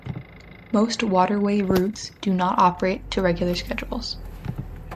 Most waterway routes do not operate to regular schedules.